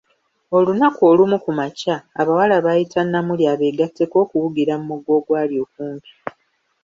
Olunaku olumu ku makya, abawala bayita Namuli abegatteko okuwugira mugga ogwali okumpi.